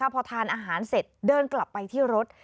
พอทานอาหารเสร็จเดินกลับไปที่รถ